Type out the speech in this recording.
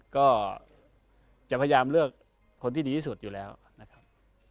ก็จะพยายามเลือกคนที่ดีที่สุดอยู่แล้วนะครับ